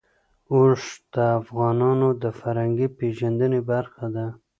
اوښ د افغانانو د فرهنګي پیژندنې برخه ده.